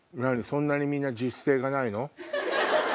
そんなにみんな自主性がないの？